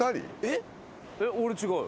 俺違う。